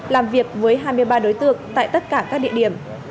làm việc với hai mươi ba đối tượng tại tất cả các địa điểm